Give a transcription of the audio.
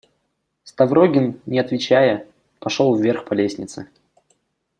Ставрогин, не отвечая, пошел вверх по лестнице.